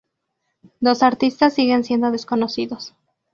Los artistas siguen siendo desconocidos.